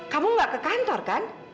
kamu gak ke kantor kan